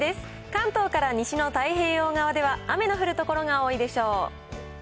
関東から西の太平洋側では雨の降る所が多いでしょう。